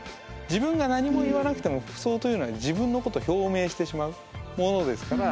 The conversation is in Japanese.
自分が何も言わなくても服装というのは自分のこと表明してしまうものですから。